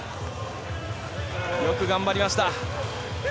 よく頑張りました。